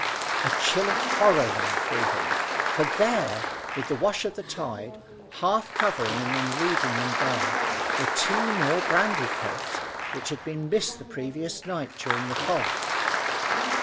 A chill of horror ran through him, for there, with the wash of the tide half covering and then leaving them bare, were two more brandy kegs, which had been missed the previous night during the fog.